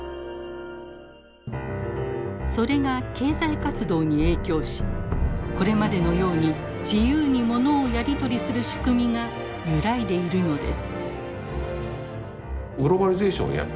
それが経済活動に影響しこれまでのように自由にものをやり取りする仕組みが揺らいでいるのです。